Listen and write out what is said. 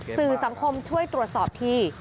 สื่อสังคมช่วยตรวจสอบที